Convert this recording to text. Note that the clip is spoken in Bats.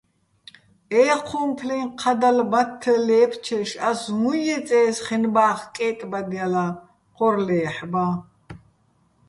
ეჴუმფლეჼ ჴადალ მათთე ლე́ფჩეშ ას უჼ ჲეწე́ს ხენბა́ხ კე́ტბადჲალაჼ ჴორ ლე́ჰ̦ბაჼ?